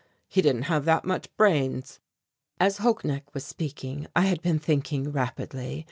He didn't have that much brains." As Holknecht was speaking I had been thinking rapidly.